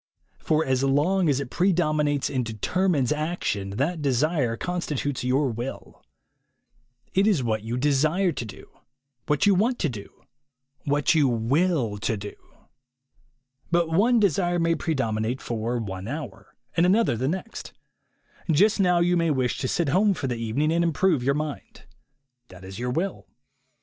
For as long as it predom inates and determines action, that desire constitutes your will. It is what you desire to do, what you want to do, what you will to do. But one desire may predominate for one hour, and another the next. Just now you may wish to sit home for the evening and improve your mind. That is your will.